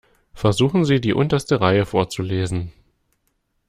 Versuchen Sie, die unterste Reihe vorzulesen.